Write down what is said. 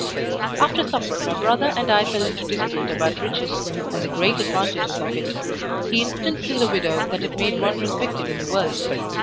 After supper my brother and I fell into dispute about riches, and the great advantages of it; he instanced in the widow that it made one respected in the world.